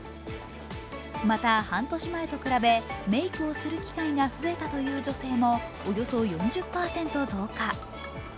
また半年前と比べメークをする機会が増えたという女性もおよそ４０％増加。